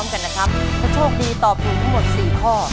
และโชคดีต่อปรุงทั้งหมด๔ข้อ